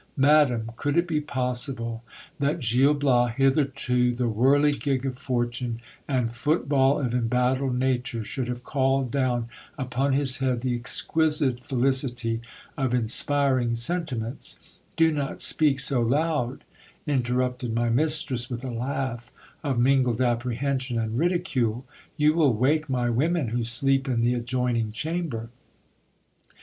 Madam, could it be possible that Gil Bias, hitherto the whirligig of fortune and football of embattled nature, should have called down upon his head the exquisite felicity of inspiring sentiments Do not speak so loud, interruptedly mistress with a laugh of mingled apprehension and ridicule, you will wake my women who sleep in the adjoining chamber.